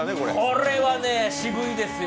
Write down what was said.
これはね、渋いですよ。